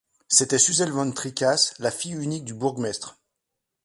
C’était Suzel van Tricasse, la fille unique du bourgmestre.